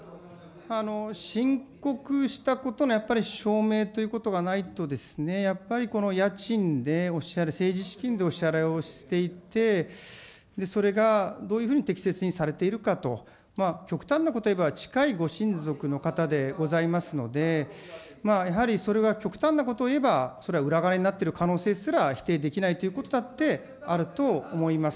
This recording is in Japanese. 申告したことのやっぱり証明ということがないとですね、やっぱりこの家賃でお支払う、政治資金でお支払いをしていて、それがどういうふうに適切にされているかと、極端なことをいえば、近いご親族の方でございますので、やはりそれが極端なことを言えば、それは裏金になっている可能性すら否定できないということだってあると思います。